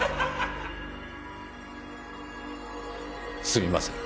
すみません。